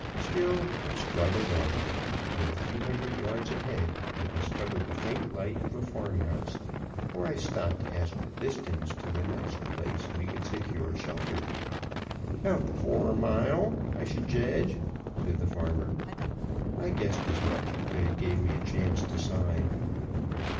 Still we struggled onward, and a few hundred yards ahead I discovered the faint light of a farm house, where I stopped to ask the distance to the next place we could secure shelter. "'Bout four mile, I should jedge," said the farmer. I guessed as much, but it gave me a chance to sigh.